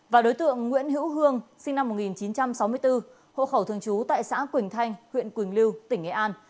và đối tượng nguyễn hữu hương sinh năm một nghìn chín trăm sáu mươi bốn hộ khẩu thường trú tại xã quỳnh thanh huyện quỳnh lưu tỉnh nghệ an